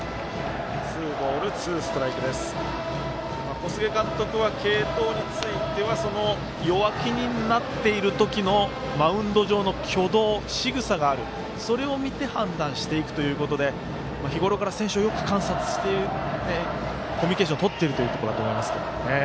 小菅監督は継投については弱気になっているときのマウンド上の挙動しぐさがある、それを見て判断していくということで日頃から、選手をよく観察してコミュニケーションとっているというところだと思います。